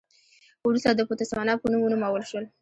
وروسته د بوتسوانا په نوم ونومول شول.